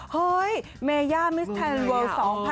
เฮ้ยเมย่ามิสแทนเวอร์๒๐๑๔